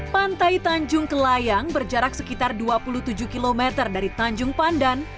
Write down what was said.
pantai tanjung kelayang berjarak sekitar dua puluh tujuh km dari tanjung pandan